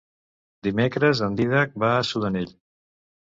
Dimecres en Dídac va a Sudanell.